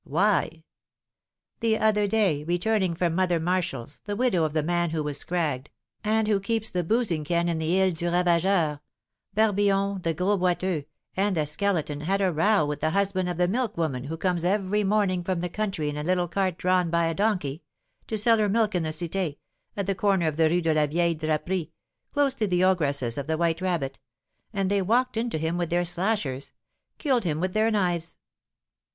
"Why?" "The other day, returning from Mother Martial's, the widow of the man who was scragged, and who keeps the boozing ken in the Ile du Ravageur, Barbillon, the Gros Boiteux, and the Skeleton had a row with the husband of the milkwoman who comes every morning from the country in a little cart drawn by a donkey, to sell her milk in the Cité, at the corner of the Rue de la Vieille Draperie, close to the ogress's of the 'White Rabbit,' and they 'walked into him with their slashers' (killed him with their knives)."